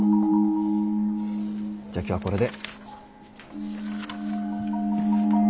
じゃ今日はこれで。